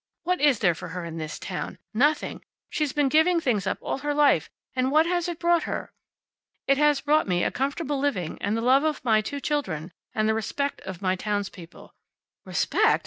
What is there for her in this town? Nothing! She's been giving things up all her life, and what has it brought her?" "It has brought me a comfortable living, and the love of my two children, and the respect of my townspeople." "Respect?